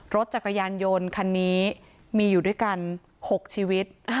รถจักรยานยนต์คันนี้มีอยู่ด้วยกัน๖ชีวิต